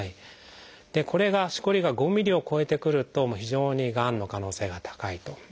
これがしこりが５ｍｍを超えてくると非常にがんの可能性が高いと。